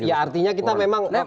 ya artinya kita memang